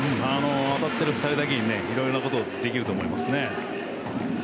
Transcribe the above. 当たってる２人だけにいろいろなことができると思いますね。